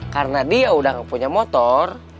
karena dia udah gak punya motor